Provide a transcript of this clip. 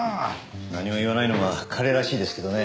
何も言わないのが彼らしいですけどね。